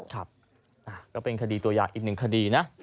ครับก็เป็นคดีตัวอย่างอีกหนึ่งคดีนะ